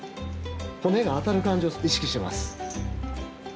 骨が当たる感じを意識してます。